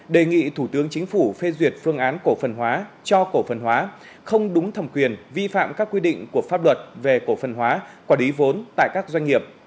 đề nghị thủ tướng chính phủ phê duyệt phương án cổ phần hóa cho cổ phần hóa không đúng thẩm quyền vi phạm các quy định của pháp luật về cổ phần hóa quản lý vốn tại các doanh nghiệp